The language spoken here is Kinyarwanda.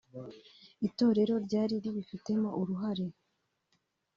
itorero ryari ribifitemo uruhare